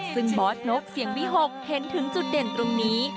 ซึ่งบอสนกเสียงวิหกเห็นถึงจุดเด่นตรงนี้